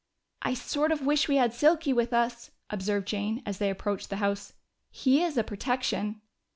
"I sort of wish we had Silky with us," observed Jane as they approached the house. "He is a protection."